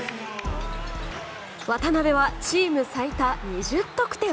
渡邊はチーム最多２０得点。